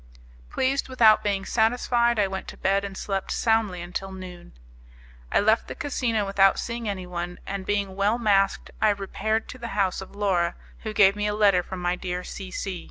Pleased without being satisfied, I went to bed and slept soundly until noon. I left the casino without seeing anyone, and being well masked I repaired to the house of Laura, who gave me a letter from my dear C C